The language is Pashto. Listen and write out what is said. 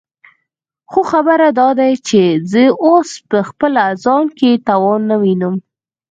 خو خبره داده چې زه اوس په خپل ځان کې توان نه وينم.